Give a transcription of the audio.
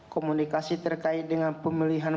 komunikasi terkait dengan pemilihan